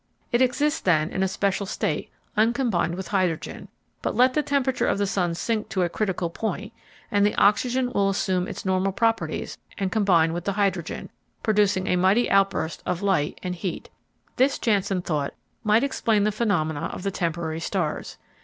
It exists, then, in a special state, uncombined with hydrogen; but let the temperature of the sun sink to a critical point and the oxygen will assume its normal properties and combine with the hydrogen, producing a mighty outburst of light and heat. This, Janssen thought, might explain the phenomena of the temporary stars.